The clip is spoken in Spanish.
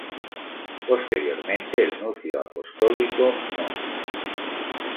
Posteriormente el Nuncio Apostólico, Mons.